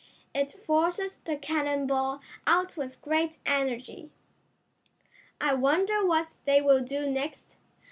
It forces the cannon ball out with great energy." "I wonder what they will do next?"